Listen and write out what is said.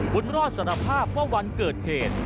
บุญรอดสารภาพว่าวันเกิดเหตุ